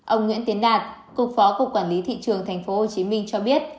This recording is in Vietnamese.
ông nguyễn tiến đạt cục phó cục quản lý thị trường tp hcm cho biết